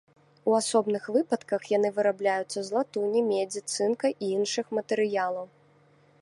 У асобных выпадках яны вырабляюцца з латуні, медзі, цынка і іншых матэрыялаў.